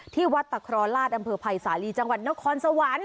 ที่วัดตะครอราชอำเภอภัยสาลีจังหวัดนครสวรรค์